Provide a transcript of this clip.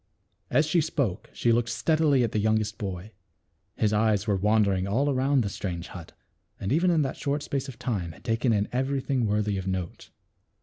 As she spoke she looked steadily at the youngest boy. His eyes were wandering all around the strange hut, and even in that short space of time had taken in every thing worthy of note.